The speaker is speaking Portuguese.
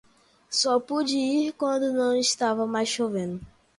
Só pude ir quando não estava mais chovendo